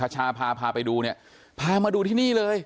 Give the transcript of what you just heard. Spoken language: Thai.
ชาพาพาไปดูเนี่ยพามาดูที่นี่เลย